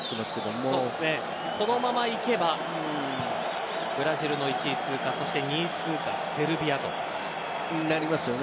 このままいけばブラジルの１位通過そして２位通過セルビアとなります。